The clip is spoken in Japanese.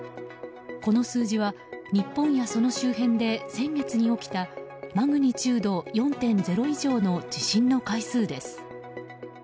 この数字は日本やその周辺で先月に起きたマグニチュード４．０以上の地震の回数です。